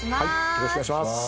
よろしくお願いします。